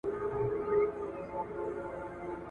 چي را لوی سم په کتاب کي مي لوستله ,